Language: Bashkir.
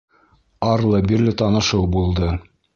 Арлы-бирле танышыу булды.